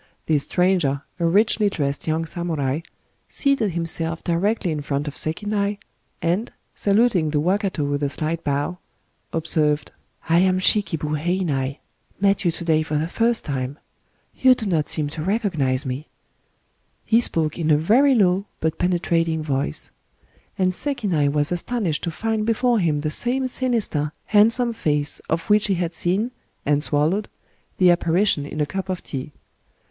This stranger, a richly dressed young samurai, seated himself directly in fi ont of Sekinai, and, saluting the wakato with a slight bow, observed :—I am Shikibu Heinai — met you to day for Digitized by Googk 14 IN A CUP OF TEA the first time. ••• You do not seem to recognize me. He spoke in a very low, but penetrating voice. And Sekinai was astonished to find before him the same sinister, handsome fiice of which he had seen, and swallowed, the apparition in a cup of tea.